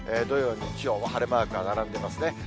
土曜、日曜は晴れマークが並んでますね。